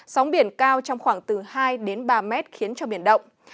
sóng biển cao trong khoảng từ hai đến ba mét khiến cho biển động